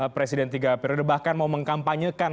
presiden tiga periode bahkan mau mengkampanyekan